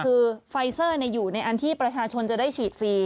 คือไฟเซอร์อยู่ในอันที่ประชาชนจะได้ฉีดฟรี